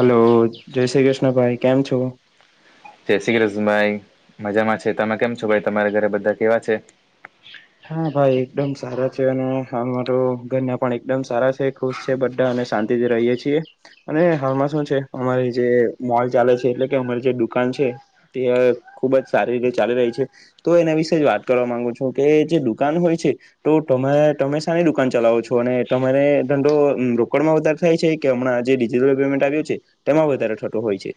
Hello જય શ્રી કૃષ્ણ ભાઈ કેમ છો? જય શ્રી કૃષ્ણ ભાઈ મજામાં છે તમે કેમ છો ભાઈ તમારા ઘરે બધા કેવા છે. હા ભાઈ એકદમ સારા છે અને અમારો ઘરના પણ એકદમ સારા છે. ખુશ છે બધા અને શાંતિથી રહીએ છીએ. અને હાલમાં શું છે અમારી જે મોલ ચાલે છે એટલે કે અમારી જે દુકાન છે. તે ખુબ જ સારી રીતે ચાલી રહી છે તો એના વિશે જ વાત કરવા માંગુ છું કે જે દુકાન હોય છે તો તમે સારી દુકાન ચલાવો છો અને તમારે ધડો રોકડમાં વધારે થાય છે કે હમણાં જે ડિજિટલ પેમેન્ટ આવ્યું છે તેમાં વધારે થઠટો હોય છે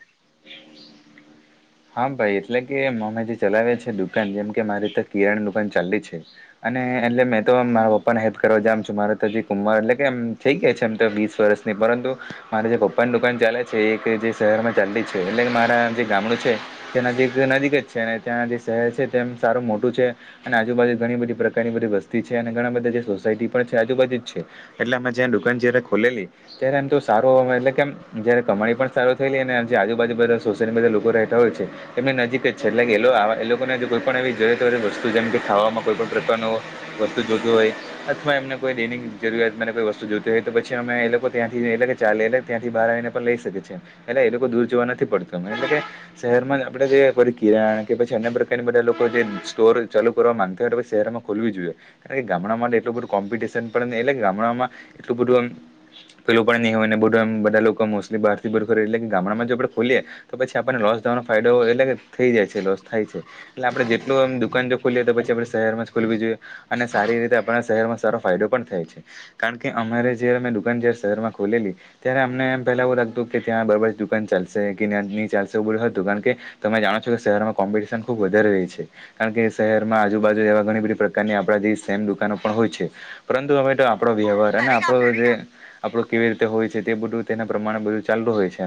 હા ભાઈ એટલે કે મમે જે ચલાવે છે દુકાન જેમ કે મારી તો કિરાની દુકાન ચાલી છે અને એટલે મેં તો મારા પપ્પાને હેલ્પ કરવા જામ છું મારે તો હજી કંમવાર એટલે કે એમ થઈ ગયા છે એમ તો વીસ વર્ષ નહી પરંતુ મારે જે પપ્પાનની દુકાન ચાલે છે એક જે શહેર માં ચાલતી છે એટલે મારા જે ગામડું છે તે નજીક નજીક જ છે ત્યાં જે શહેર છે તેમ સારું મોટું છે અને આજુબાુ ઘણી બધી પ્રકારની બધી વસ્તી છે અને ઘણા બધા જે સોસાયટી પણ છે આજુબાજુ જ છે એટલે અમે જ્યાં દુકાન જયારે ખોલેલી ત્યારે એમ તો સારો એટલે કેમ જય કમાણી પણ સારું થઈેઈ નેમ જે આજુબાજુ બધ સોસાયટી બધા લોકો રહે રહો છે એમને નજીક જ છે એટલે કે એ એ લોકોને કોઈ પણ એવી જો વસ્તુ જેમ કે ખાવામાં કોઈ પણણ પ્રકારનો વસ્તુ જોતું હોાઈ અથવા એમને કોઈ દૈનિક જરૂરિયાતને કોઈ વસ્તુ જોતી હોય તો પછી અમે એ લોકો ત્યાંથી ચાલેલે ત્યાંથી બહાર આવીને પણ લઈ શકે છે એલા એ લોકો દૂર જવા નથી પડતું એટલે કે શહેરમાં જ આપડે કિરણ કે પછી અન્ય પ્રકારની બધા લોકો જે સ્ટોર ચાલુ કરવા માંગતા હોય શહેરમાં ખોલવી જોઈએ કારણ કે ગામડા માટે એટલું બધું કોમ્પિટિશન પણ નહી એટલે ગામડામાં એટલું બધુંમ પેલું પણ નહીંયને બધું એ બા લોકો મોસ્ટલી બહારથી બરખો એટલે કે ગામડામાં જો આપણે ખોલીએ તો પછી આપણને લોસ દવાનો ફાયદો એટલે થઈ જાય છે લોસ થાય છે એટલે આપણે જેટલું એમ દુકાન જો ખોલીએ તો પછી આપણે શહેરમાં જ ખોલવી જોઈએ અને સારી રીતે આપણા શહેરમાં સારો ફાયદો પણ થાય છે કારણ કે અમારે જયારે અમે દુકાન જ્યારે શહેરમાં ખોલેલી ત્યારે અમને એમ પેલા એવું લાગતું કે ત્યાં બરાબર જ દુકાન ચાલશે કે નહીં ન ચાલશે બ કારણ કે તમે જાણો છો કે શહેરમાં કોમ્પિટિશન ખુબ વધારે રહી છે કારણ કે શહેરમાં આજુબાજુ એવા ઘણી બધી પ્રકારની આપણા જે સેમ દુકાનો પણ હોય છે પરંતુ અમે તો આપણો વ્યવહાર અને આપણો જે આપણું કેવી રીતે હોય છે તે બધું તેના પ્રમાણે બધું ચાલું હોય છે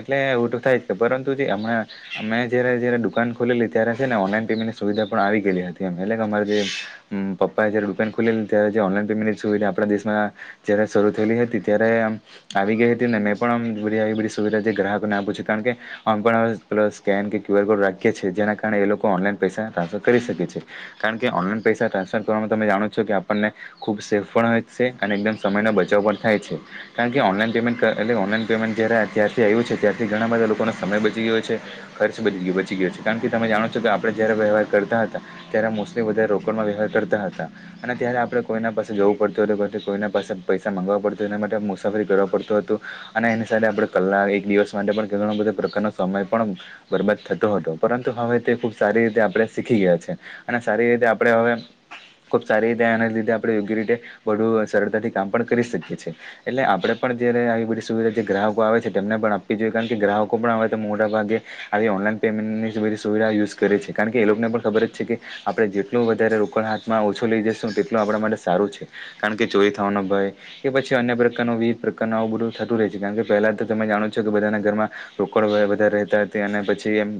એટલે ઉટું થાય છે પરંતુ એમણા અમે જયારે જયારે દુકાન ખોલેલી ત્યારે છે ને ઓનલાઈન પેમેન્ટની સુવિધા પણ આવી ગયેલી હતી એટલે કે અમારે જે પપ્પા જયારે દુકાન ખુલેલી ત્યારે ઓનલાઈન પેમેન્ટની સુવિધા આપણા દેશમાં જયારે શરૂ થયેલી હતી ત્યારે આવી ગઈ હતી ને મેં પણ આવી બધી આવી બધી સુવિધા જે ગ્રાહકોને આપું છું કારણ કે આપણે પે સ્કેન કે ક્યુઆર કોડ રાખીએી જેના કારણે એ લોકો ઓનલાઈન પૈસા ટ્રાન્સફર કરી શકે છે કારણ કે ઓનલાઈન પૈસા ટ્રાન્સફર કરવાવામાં તમે જાણો છો કે આપણને ખૂબ સેફ પણ હોય છે અને એકદમ સમયનો બચાવ પણ થાય છે કારણ કે ઓનલાઈન પેમેન્ટ એટલે ઓનલાઇન પેમેન્ટ જય્યારે અત્યારથી આવ્યું છે ત્યારથી ઘણા બધા લોકો સમય બચી ગયો છે ખર્ચ બચી બચી ગયો છે કારણ કે તમે જાણો છો કે આપણે જ્યારે વ્યવહાર કરતા હતા ત્યારે મોસ્ટલી વધારે રોકડમાં વ્યવહાર કરતા હતા અને ત્યારે આપણે કોઈના પાસે જવું પડતું હો હતું કોઈના પાસે પૈસા માગાવવા પડતા એના માટે મુસાફરી કરવા પડતું હતું અને એની સાથે આપણે કલાક એક દિવસ માટે પણ ઘણા બધા પ્રશ્નોનો સમય પણ બરબાદ થતો હતો પરંતુ હવે તે ખુબ સારી રીતે આપણે શીખી ગયા છે અને સારી રીતે આપડે હવે ખુબ સારી રીતે આના લીધે આપણે યોગ્ય રીતે વધુ સરળતાથી કામ પણ કરી શકીએ છીએ એટલે આપડે પણ જ્યારે આવી બધી સુવિધા જે ગ્રાહકો આવે છે તેમને પણ આપવી જોઈએ કારણ કે ગ્રાહકો પનાવે તો મોટા ભાગે આવી ઓનલાઈન પેમેન્ટની બધી સુવિધા યુઝ કરે છે કારણ કે એ લોકોને પણ ખબર જ છે કે આપડે જેટલું વધારે રોકાણ હાથમાં ઓછો લઇ જશું તેટલું આપણા માટે સારું છે કારણ કે ચોરી થવાનો ભય કે પછી અન્ય પ્રકારનું વિવિધ પ્રકારનું આવું બધું થતું રહે છે કારણ કે પહેલા તો તમે જાણો છો કે બધાના ઘરમાં રોકડ વધધારે રહેતા હતા અને પછી એમ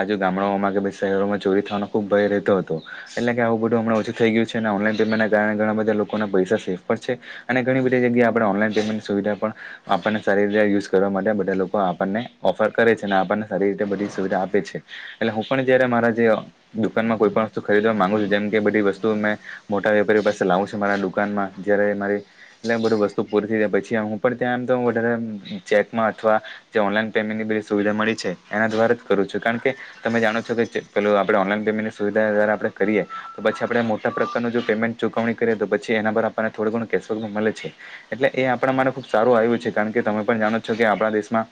આજુ ગામડાઓમાં કે શહેરોમાં ચોરી થવાનો ખુબ ભય રહેતો હતો એટલે કે આવું બધું હમણાં ઓછું થઈ ગય છે અને ઓનલાઈન પેમેન્ટ ના કારણે ઘણા બધા લોકોના પૈસા સેફ પણ છે અને ઘણી બધી જગ્યાએ આપણે ઓનલાઈન પેમેન્ટ સુવિધા પણ આપણને સારી રીતે યુઝ કરવા માટે બધા લોકો આપણને ઓફર કરે છે અને આપણને સારી રીતે બધી સુવિધા આપે છે એટલે હું પણ જયારે મારા જે દુકાનમાં કોઈ પણ વસ્તુ ખરીદવા માગુ છું જેમ કે બધી વસ્તુ મેં મોટા વેપારીઓ પાસે લાવું છું મારા દુકાનમાં જયારે મારી એટલે બધું વસ્તુ પૂરી થઈ ગાય પછી હું પણ ત્યાં એમ તો વધારે ચેકમાં અથવા જે ઓનલાઈન પેમેન્ટની બધી સુવિધા મળી છે એના દ્વારા જ કરું છું કારણ કે તમે જાણો છો કે પેલું આપણે ઓનલાઈન પેમેન્ટની સુવિધા જ્યારે આપણે કરીએ તો પછી આપણેે મોટા પ્રકારનું પેમેન્ટ ચુકવણી કરીએ તો પછી એના પર આપણને થોડું ઘણું કેશબેક મળે છે એટલે એ આપણા માટે ખુબ સારું આવ્યું છે કારણ કે તમે પણ જાણો છો કે આપણા દેશમાં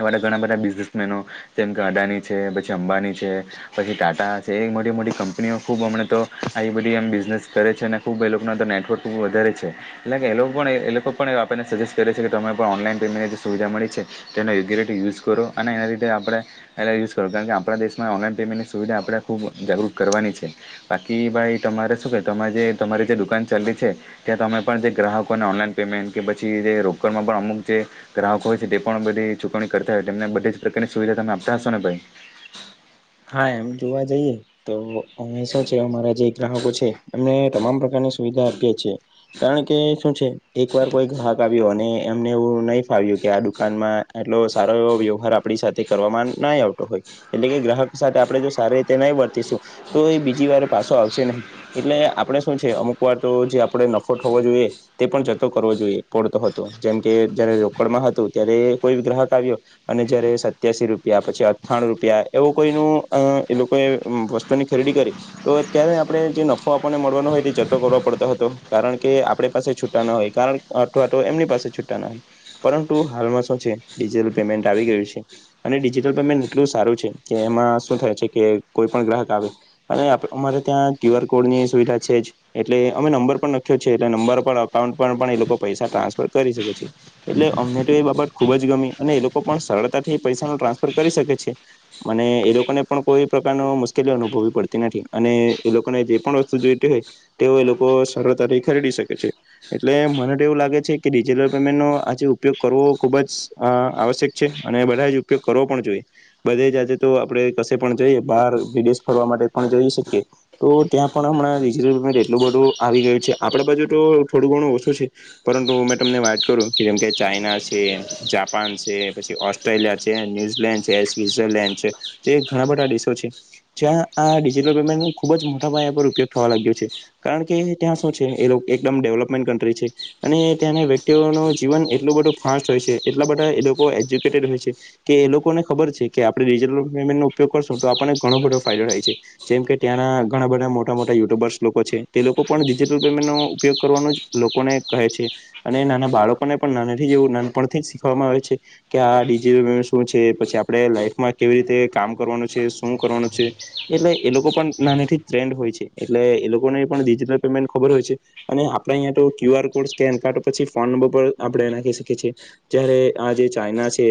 એવા તો ઘણા બધા બિઝનેસમેનો જેમ કે અદાની છે પછી અંબાની છે પછી ટાટા છે એ મોટી મોટી કંપનીઓ ખૂબ હમણા તો આ બધી એમ બિઝનેસ કરે છે અને ખુબ એ લોકોના તો નેટવર્ક બ વધારે છે. એટલે કે એ લોકો એ લોકો પણ આપને સજેસ્ટ કરે છે કે તમે પણ ઓનલાઈન પેમેન્ટની જે સુવિધા મળી છે તે યુઝ કરો અને એના લીતે આપણે એ યુઝ કરો કારણ કે આપણા દેશમાં ઓનલાઈન પેમેન્ટ સુવિધા આપણે ખૂબ જાગૃત કરવાની છે બાકી ભાઈ તમારે શું કે તમા જે તમારી જે દુકાન ચાલલી છે ત્યાં તમે પણ જે ગ્રાહકોને ઓનલાઈન પેમેન્ટ કે પછી જે રોકડમાં પણ અમુક જે ગ્રાહકો હોય છે, તે પણ બધી ચૂકવણી કરતા હોય એ તેમને બધી જ પ્રકારની સુવિધા તમે આપતા હશો ને ભાઈ હા એમ જોવા જઈએ, તો હંમેશા છે અમારા જે ગ્રાહકો છે એમને તમામ પ્રકારની સુવિધા આપી છિએ. કારણ કે શું છે એક વાર કોઈ ગ્રાહક આવ્યો અને એમને એવું નહી ફાવ્યું કે આ દુકાનમાં એટલો સારો એવો વ્યવહાર આપણી સાથે કરવામાં ના આવતો હોય એટલે કે ગ્રાહક સાથે આપણે જો સારી રીતે નહી વર્તીશું તો એ બીજી વાર પાછો આવશે નહી. એટલે આપડે શું છે અમુક વાર તો જે આપડે નફો હોવો જોઈએ તે પણ જતો કરવો જોઈએ પડતો હતો જેમકે જયારે રોકડમાં હતું ત્યારે કોઈ ગ્રાહક આવ્યો અને જયારે સત્યાસી રૂપિયા પછી, અઠ્ઠાણું રૂપિયા એવું કોઈ ન અ એ લોકોએ વસ્તુની ખરીદી કરી તો અત્યારે આપણે જે નફો આપણને મળવાનો હોય તે જતો કરવાો પડતો હતો કારણ કે આપણે પાસે છૂટા ન હોય કારણ અથવા તો એમની પાસે છૂટા ના હોય, પરંતુ હાલમાં શું છે ડિજિટલ પેમેન્ટ આવી ગયું છે અને ડિજિટલ પેમેન્ટ એટલું સારું છે, કે એમાં શું થાય છે કે કોઈ પણ ગ્રાહક આવે અને અમારે ત્યાં ક્યુઆર કોડની સુવિધા છે જ એટલે અમે નંબર પણ લખ્યો છે એટલે નંબર પણ અકાઉન્ટ પર પણ એ લોકો પૈસા ટ્રાન્સફર કરી શકે છે. એટલે અમને તો એ બાબત ખુબ જ ગમી અને એ લોકો પણ સરળતાથી પૈસાનુ ટ્રાન્સફર કરી શકે છે. મને એ લોકોને પણ કોઈ પ્રકારનો મુશ્કેલી અનુભવવી પડતી નથી અને એ લોકોને જે પણ વસ્તુ જોઈતી હોય તેઓ એ લોકો સરળતાથી ખરીદી શકે છે. એટલે મને એવું લાગે છે કે ડિજિટલ પેમેન્ટનો આજે ઉપયોગ કરવો ખુબ જ આવશ્યક છે અને બધા જ ઉપયોગ કરવો પણ જોઈએ. બધે જ આજે તો આપડે કશે પણ જોઈએ બહાર વિદેશ ફરવા માટે પણ જોઈ શકીએ તો ત્યાં પણ હમણાં ડીજીટલ રેન્ટ એટલું બધું આવી ગયું છે આપડા બાજુ તો થોડું ઘણું ઓછું છે. પરંતુ હું મેં તમને વાત કરું કે જેમ કે ચાઈના છે, જાપાન છે, પછી ઓસ્ટ્રેલિયા છે, ન્યુઝીલેન્ડ છે, સ્વિઝરલેન્ડ છે, જે એ ઘણા બધા દેશો છે. જ્યાં આ ડિજિટલ પેમેન્ટ ન ખુબ જ મોટા પાયા પર ઉપયોગ થવા લાગ્યો છે. કારણ કે ત્યાં શું છે એ એકદમ ડેવલોપમેન્ટ કન્ટ્રી છે. અને ત્યાંના વ્યક્તિઓનું જીવન એટલું બધું ફાસ્ટ હોય છે એટલા બધા એ લોકો એજ્યુકેટેડ હોય છે. કે એ લોકોને ખબર છે કે આપણે ડિજિટલ પેમેન્ટનો ઉપયોગ કરશું તો આપણને ઘણો બધો ફાયદો થાય છે. જેમ કે ત્યાંના ઘણા બધા મોટા મોટા યુટ્યુબર્સ લોકો છે તે લોકો પણ ડિજિટલ પેમેન્ટનો ઉપયોગ કરવાનો લોકોને કહે છે અને નાના બાળકોને પણ નાનાથી જેવું નાનપણથી શીખવામાં આવે છે. કે આજી શું છે પછી આપણે લાઈફમાં કેવી રીતે કામ કરવાનું છે, શું કરવાનું છે એટલે એ લોકો પણ નાનીથી ટ્રેન્ડ હોય છે એટલે એ લોકોને પણ ડિજિટલ પેમેન્ટ ખબર હોય છે. અને આપડે અહીંયા તો ક્યુઆર કોડ સ્કેન કાઢો પછી ફોન નંબર પર આપણે એ નાખી શકીએ છીએ. જ્યારે આ જે ચાઈના છે,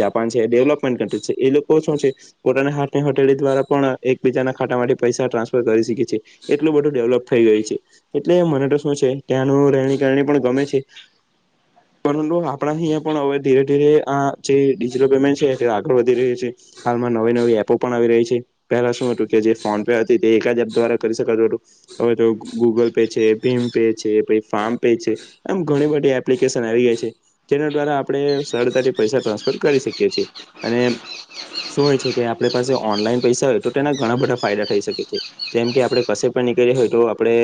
જાપાન છે, ડેવલપમેન્ટ કન્ટ્રી છે એ લોકો શું છે પોતાના હાથ કે હથેળી દ્વારા પણ એકબીજાના ખાતા માટે પૈસા ટ્રાન્સફર કરી શકે છે. એટલું બધું ડેવલપ થઈ ગયું છે. એટલે મને તો શું છે ત્યાંનું રહેણી કરણી પણ ગમે છે. પરંતુ આપણા અહિયાં પણ હવે ધીરે ધીરે આ જે ડિજટલ પેમેન્ટ છે, આગળ વધી રહ્યું છે, હાલમાં નવી નવી એપો પણ આવી રહી છે. પેલા શું હતું કે જે ફોન પે હતી તે એક જ એપ દ્વારા કરી શકાતું હતું. હવે તો ગૂગલ પે છે, ભીમ પે છે, પ ફોન પે છે એમ ઘણી બધી એપ્લિકેશન આવી ગય છે. જેના દ્વારા આપણે સરળતાથી પૈસા ટ્રાન્સફર કરી શકીએ છીએ અને. શું હોય છે કે આપણે પાસે ઓનલાઈન પૈસા હોય તો તેના ઘણા બધા ફાયદા થઈ શકે છે. જેમ કે આપણે કશે પણ નીકળએ હોય તો આપણે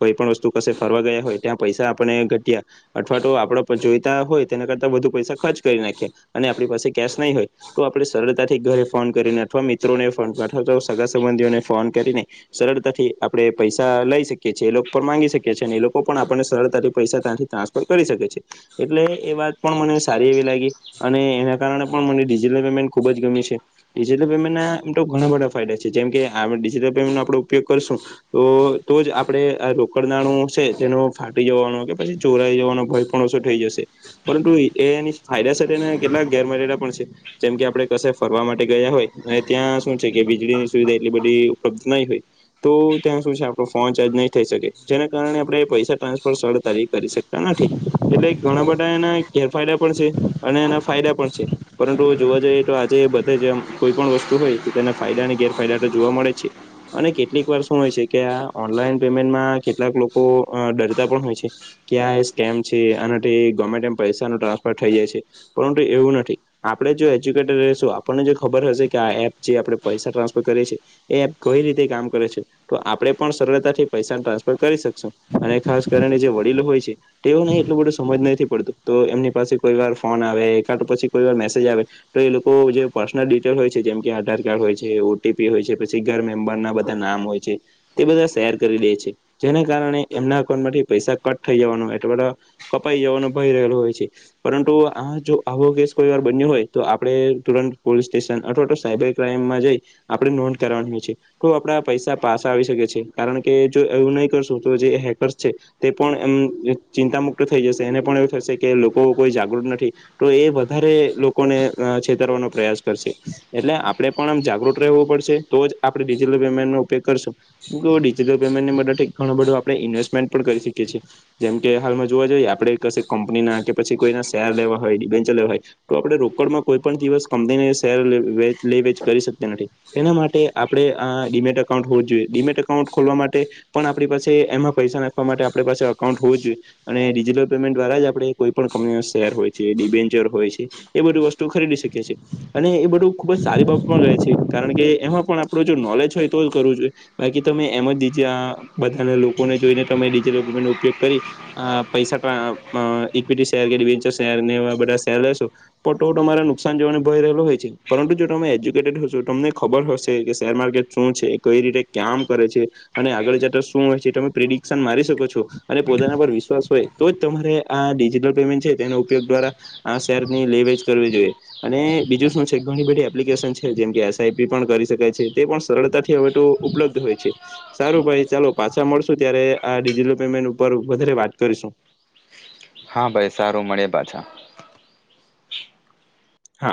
કોઈ પણ વસ્તુ ક ફરવા ગયા હોય ત્યાં પૈસા આપણે ઘટ્યા અઠવા તો આપ જોઈતા હોય તેના કરતા વધુ પૈસા ખર્ચ કરી નાખીએ અને આપણી પાસે કેશ નહીં હોય. તો આપણે સરળતાથી ઘરે ફોન કરીને અથવા મિત્રોને ફોન અથવા તો સગા સંબંધીઓને ફોન કરીને સરળતાથી આપણે પૈસા લઈ શકીએ છીએ એ લોકો પણ માંગી શકીએ છીએ અને એ લોકો પણ આપને સરળતાથી પૈસા ત્યાંથી ટ્રાન્સ કરી શકે છે એટલે એ વાત પણ મને સારી એવી લાગી અને એના કારણે પણ મને મેન ખુબ જ ગમી છે. ડિજિટલ પેમેન્ટના તો ઘણા બધા ફાયદા છે જેમ કે ડિજિટલ પેમેન્ટ નો આપડણે ઉપયોગ કરશું. તો તો જ આપડે આ રોકડ નાણું છે જેનો ફાટી જવાનું કે પછી ચોરાઈ જવાનો ભય પણ ઓછો થઈ જશે. પરંતુ એ એની ફાયદા સાથેને કેટલાક ગેરમર્યાદા પણ છે. જેમ કે આપણે કશે ફરવા માટે ગયા હોય અને ત્યાં શું છે કે વીજળીની સુવિધા એટલી બધી ઉપલબ્ધ નહી હોય. તો ત્યાં શું છે આપણો ફોન ચાર્જ નહી થઈ શકે જેના કારણે આપણે પૈસા ટ્રાન્સફર સરળતાથી કરી શકતા નથી. એટલે ઘણા બધા એના ગેરફાયદા પણ છે અને એના ફાયદા પણ છે પરંતુ જોવા જઈએ તો આજે બધે જેમ કોઈ પણ વસ્તુ હોય તો તેને ફાયદા અને ગેરફાયદા તો જોવા મળે છે. અને કેટલીક વાર શું હોય છે કે આ ઓનલાઈન પેમેન્ટમાં કેટલાક લોકો ડરતા પણ હોય છે. કે આ એ સ્કેમ છે આનાથી ગમે તેમ પૈસા નુ ટ્રાન્સફર થઇ જાય છે પરંતુ એવું નથી. આપણે જો એજ્યુકેટેડ રશું આપણને જો ખબર હશે કે આ એપ જે આપણે પૈસા ટ્રાન્ફર કરીએ છે એ કઈ રીતે કામ કરે છે તો આપણે પણ સરળતાથી પૈસા ટ્રાન્સફર કરી શકશું. અને ખાસ કરીને જે વડીલો હોય છે તેઓને એટલું બધું સમજ નથી પડતું તો એમની પાસે કોઈ વાર ફોન આવે એકા પછી કોઈ વાર મે જ આવે. [unintelligible] તો એ લોકો જે પર્સનલ ડિટેલ હોય છે જેમ કે આધાર કાર્ડ હોય છે ઓટીપી હોય છે પછી ઘર મેમ્બર ના નામ હોય છે. તે બધા શેર કરી દે છે જેના કારણે એમના એકાઉન્ટ માંથી પૈસા કટ થઈ જવાનો એટ કપાઈ જવાનો ભય રહેલો હોય છે પરંતુ આ જો આવો કેસ કોઈ વાર. બન્યું હોય તો આપણે તુરંત પોલીસ સ્ટેશન અથવા તો સાયબર ક્રાઈમમાં જઈ. આપણે નોંધ કરવાની હોય છે. તો આપડા પૈસા પાસા આવી શકે છે કારણ કે જો એવું નહી કરશું તો જે હેકર્સ છે. તે પણ એમ ચિંતા મુક્ત થઈ જશે અનેને પણ એવું થશે કે લોકો કોઈ જાગૃત નથી તો એ વધારે લોકોને છેતરવાનો પ્રયાસ કરશે. એટલે આપડે પણ આમ જાગૃત રહેવું પડશે તો જ આપડે ડિજિટલ પેમેન્ટ નો ઉપયોગ કરશું. કે ડિજિટલ પેમેન્ટ માટે ઘણું બધું આપણે ઇન્વેસ્ટમેન્ટ પણ કરી શકીએ છીએ. જેમ કે હાલમાં જોવા જઈએ આપણે ક કંપનીના કે પછી કોઈના શેર લેવા હોય ડીબન્ચર લેવા હોય. તો આપણે રોકડમાં કોઈ પણ દિવસ કંપની શેર લે વેચ કરી શકતા નથી. શેના માટે આપણે આ ડીમેટ અકાઉન્ટ હોવું જ જોઈએ ડીમેટ એકાઉન્ટ ખોલવા માટે પણ આપણી પાસે એમાં પૈસા નાખવા માટે આપણી પાસે અકાઉન્ટ હોવું જ જોઈએ. અને ડિજિટલ પેમેન્ટ દ્વારા જ આપડે કોઈ પણ કંપનીઓ શેર હોય છે ડિવેન્ચર હોય છે. એ બધી વસ્તુ ખરીદી શકીએ છીએ. અને એ બધું ખુબ જ સારી બાબતમાં ગે છે કારણ કે એમાં પણ આપણું જો નોલેજ હોય તો જ કરવું જોઈએ. બાકી તમે એમ દિજજ બધાને લોકોને જોઈને તમે ડિજટલ પેમેન્ટ નો ઉપયોગ કરી. આ પૈસા ઇક્વિટી શેર કે ડવન્ચર શેર ને બધા શેર લેશું. પટો તમારે નુકસાન જોવાને ભય રહેલો હોય છે પરંતુ જો તમે એજ્યુકેટેડ હશો તમને ખબર હશે કે શેર માર્કેટ. શું છે કઈ રીતે ક્યામ કરે છે અને આગળ જતા શું હોય છે એ તમે પ્રિડિક્શન મારી શકો છો. અને પોતાના પર વિશ્વાસ હોય તો જ તમારે આ ડિજિટલ પેમેન્ટ છે તેનો ઉપયોગ દ્વારા આ શેર. ની લેવેજ કરવી જોઈએ. અને બીજું શું છે ઘણી બધી એપ્લિકેશન છે જેમ કે એસઆઈપી પણ કરી શકાય છે તે પણ સરળતાથી હવે તો ઉપલબ્ધ. સારું ભાઈ ચાલો પાછા મળશું ત્યારે આ ડિજિટલ પેમેન્ટ ઉપર વધારે વાત કરીશું. હા ભાઈ સારું મળીએ પાછા. હા